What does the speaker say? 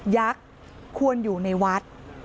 ักษ์ควรอยู่ในวัด